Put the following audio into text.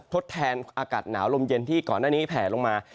ทดแทนอากาศหนาวลมเย็นที่ก่อนหน้านี้แผลลงมา